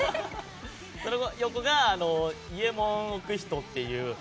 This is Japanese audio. その横が伊右衛門送人っていう。